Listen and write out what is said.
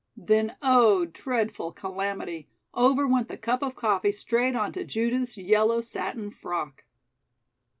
Then, oh, dreadful calamity! over went the cup of coffee straight onto Judith's yellow satin frock.